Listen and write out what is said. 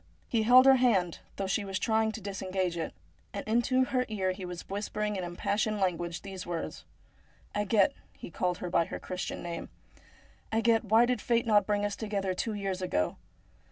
He held lier hand, though she was trying to disengage it ; and into her ear he was whispering in im passioned language these words: 'Agathe,' he called her by her Christian name, ' Agathe, why did Fate not bring us together years ago